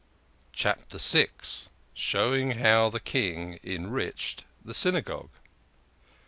CHAPTER VI. SHOWING HOW THE KING ENRICHED THE SYNAGOGUE.